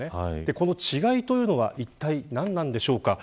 この違いはいったい何なのでしょうか。